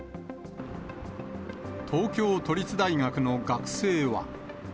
東京都立大学の学生は。